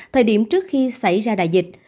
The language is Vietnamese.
thời điểm trước khi xảy ra đại dịch